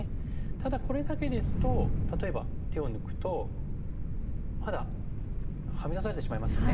ただこれだけですと例えば手を抜くとまだはみ出されてしまいますよね。